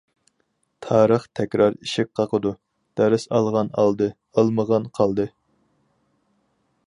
تارىخ تەكرار ئىشىك قاقىدۇ، دەرس ئالغان ئالدى ئالمىغان قالدى.